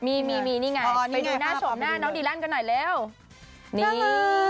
มีนี่ไงไปดูหน้าโฉมหน้าน้องดีลันกันหน่อยแล้วนี่นี่นี่